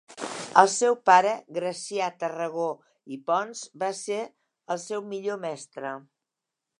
El seu pare Gracià Tarragó i Pons va ser el seu millor mestre.